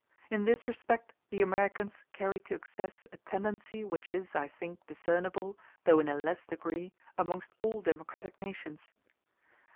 In this respect the Americans carry to excess a tendency which is, I think, discernible, though in a less degree, amongst all democratic nations.